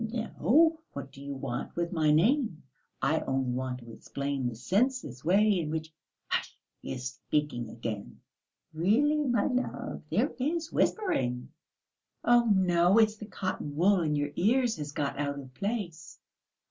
"No; what do you want with my name?... I only want to explain the senseless way in which...." "Hush ... he is speaking again...." "Really, my love, there is whispering." "Oh, no, it's the cotton wool in your ears has got out of place."